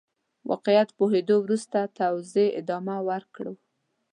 واقعيت پوهېدو وروسته توزيع ادامه ورکړو.